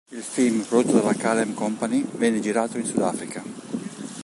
Il film, prodotto dalla Kalem Company, venne girato in Sudafrica.